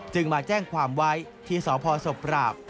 มาแจ้งความไว้ที่สพศพปราบ